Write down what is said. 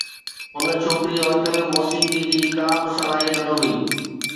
ان ڇوڪريءَ وٽ موسيقيءَ جي ڪا به صلاحيت نه هئي.